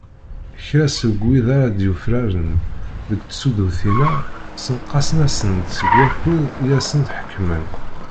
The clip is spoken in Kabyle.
Kra seg wid ara d-yufraren deg tsuddutin-a, ssenqasen-asen-d seg wakud i asen-ḥekmen.